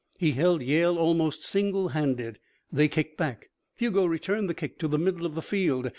He held Yale almost single handed. They kicked back. Hugo returned the kick to the middle of the field.